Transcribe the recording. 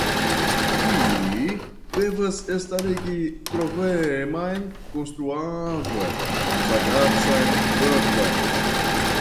Mi devas starigi troveman konstruaĵon, sagacan verkon.